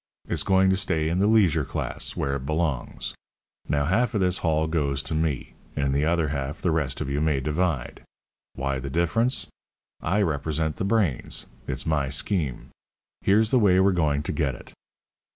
It's going to stay in the leisure class, where it belongs. Now, half of this haul goes to me, and the other half the rest of you may divide. Why the difference? I represent the brains. It's my scheme. Here's the way we're going to get it.